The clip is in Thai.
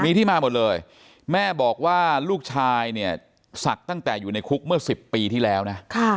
มีที่มาหมดเลยแม่บอกว่าลูกชายเนี่ยศักดิ์ตั้งแต่อยู่ในคุกเมื่อ๑๐ปีที่แล้วนะ